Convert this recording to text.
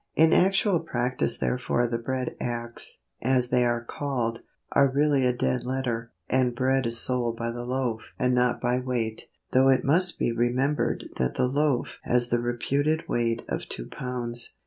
In actual practice therefore the bread acts, as they are called, are really a dead letter, and bread is sold by the loaf and not by weight, though it must be remembered that the loaf has the reputed weight of two pounds.